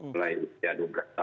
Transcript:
mulai usia dua belas tahun